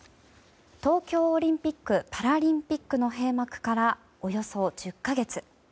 東京オリンピック・パラリンピックの閉幕からおよそ１０か月。